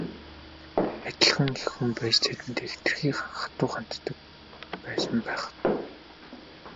Адилхан эх хүн байж тэдэндээ хэтэрхий хатуу ханддаг байсан байх.